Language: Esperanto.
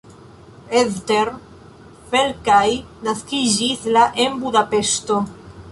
Eszter Felkai naskiĝis la en Budapeŝto.